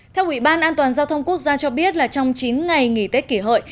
theo ủy ban an toàn giao thông quốc gia cho biết là trong chín ngày nghỉ tết kỷ hợi